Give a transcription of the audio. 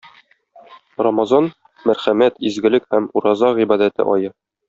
Рамазан - мәрхәмәт, изгелек һәм ураза гыйбадәте ае.